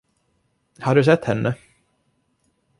Har du sett henne?